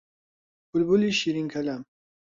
بولبولی شیرین کەلام